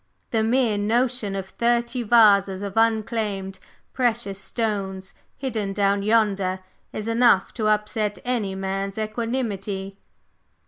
The mere notion of thirty vases of unclaimed precious stones hidden down yonder is enough to upset any man's equanimity!"